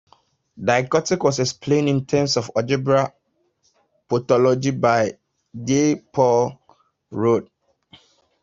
Diakoptics was explained in terms of algebraic topology by J. Paul Roth.